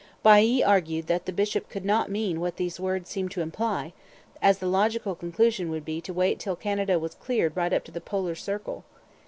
Bailly argued that the bishop could not mean what these words seemed to imply, as the logical conclusion would be to wait till Canada was cleared right up to the polar circle.